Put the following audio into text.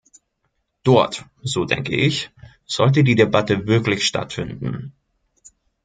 Dort, so denke ich, sollte die Debatte wirklich stattfinden.